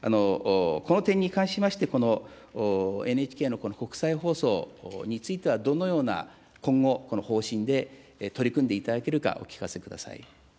この点に関しまして、このＮＨＫの国際放送については、どのような、今後、方針で取り組んでいただけるか、お聞かせください。